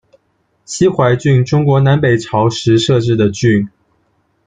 西淮郡，中国南北朝时设置的郡。